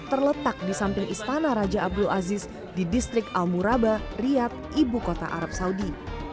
terletak di samping istana raja abdul aziz di distrik al muraba riyad ibu kota arab saudi